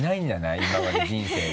今まで人生で。